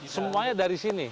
semuanya dari sini